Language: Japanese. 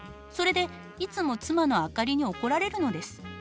それでいつも妻の灯に怒られるのです。